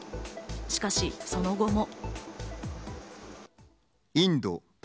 しかしその後も。